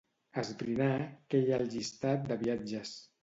Esbrinar què hi ha al llistat de viatges.